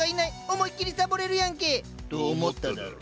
思いっきりサボれるやんけ！と思っただろう？